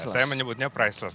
saya menyebutnya priceless